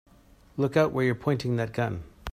Look out where you're pointing that gun!